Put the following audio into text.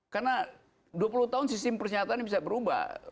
karena dua puluh tahun sistem persenjataan bisa berubah